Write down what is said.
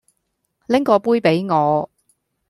拎個杯畀我